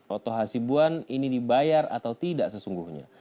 oto hasibuan ini dibayar atau tidak sesungguhnya